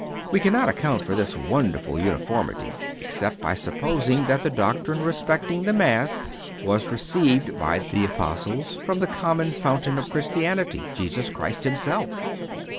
We cannot account for this wonderful uniformity except by supposing that the doctrine respecting the Mass was received by the Apostles from the common fountain of Christianity—Jesus Christ Himself.